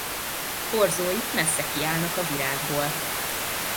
Porzói messze kiállnak a virágból.